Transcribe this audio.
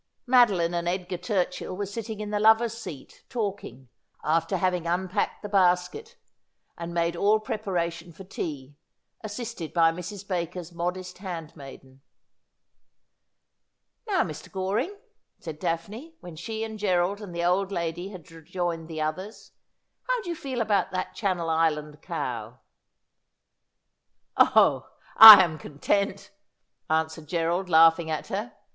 '■Love, is a Tiling, as any Spirit, Free.' 157 Madoline and Edgar Turchill were sitting in the lovers' seat, talking, after having unpacked the basket, and made all prepa ration for tea, assisted by Mrs. Baker's modest handmaiden. ' Now, Mr. Goring,' said Daphne, when she and Gerald and the old lady had rejoined the others, ' how do you feel about that Channel Island cow ?'' Oh, I am content,' answered Gerald, laughing at her.